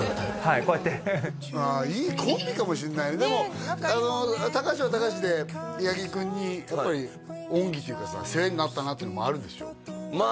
こうやっていいコンビかもしれないねでも高橋は高橋で八木君にやっぱり恩義っていうかさ世話になったなっていうのもあるでしょまあ